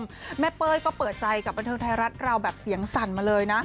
แม่เป้ยก็เปิดใจกับบันเทิงไทยรัฐเราแบบเสียงสั่นมาเลยนะ